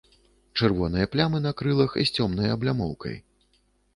Чырвоныя плямы на крылах з цёмнай аблямоўкай.